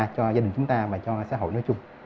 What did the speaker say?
cho gia đình chúng ta và cho xã hội nói chung